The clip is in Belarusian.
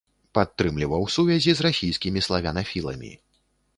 Падтрымліваў сувязі з расійскімі славянафіламі.